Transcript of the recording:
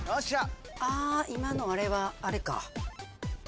今のあれはあれか。